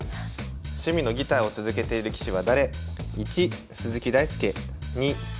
趣味のギターを続けている棋士は誰？